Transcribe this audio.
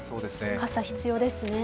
傘、必要ですね。